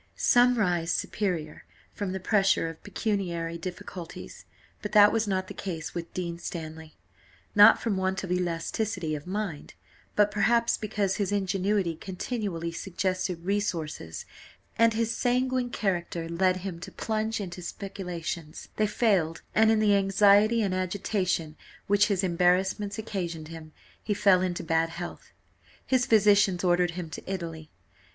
Some rise superior from the pressure of pecuniary difficulties, but that was not the case with Dean Stanley, not from want of elasticity of mind; but perhaps because his ingenuity continually suggested resources, and his sanguine character led him to plunge into speculations they failed, and in the anxiety and agitation which his embarrassments occasioned him, he fell into bad health, his physicians ordered him to Italy.